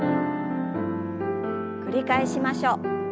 繰り返しましょう。